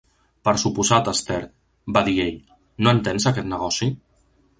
"Per suposat, Esther," va dir ell, "no entens aquest negoci?"